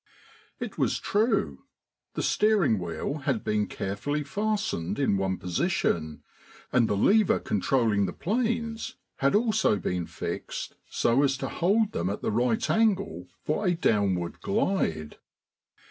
It was true. The steering wheel had been carefully fastened in one position, and the lever controlling the planes had also been fixed so as to hold them at the right angle for a downward glide.